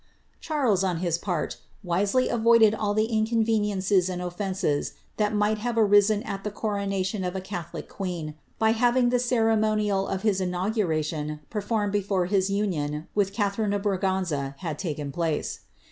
8, on his part, wisely avoided all the inconveniences and .hat might have arisen at the coronation of a catholic queen, Iff the ceremonial of his inauguration performed before his th Catharine of Braganza had tiiken place.